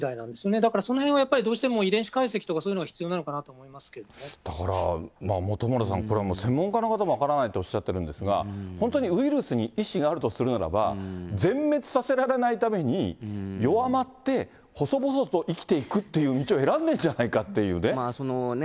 だからそのへんはやっぱりどうしても遺伝子解析とかそういうのがだから、本村さん、これは専門家の方も分からないっておっしゃってるんですが、本当にウイルスに意思があるとするならば、全滅させられないために、弱まって、細々と生きていくっていう道を選んでるんじゃないかっていうね。